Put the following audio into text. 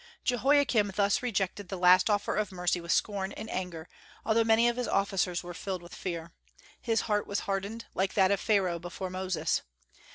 Jehoiakim thus rejected the last offer of mercy with scorn and anger, although many of his officers were filled with fear. His heart was hardened, like that of Pharaoh before Moses.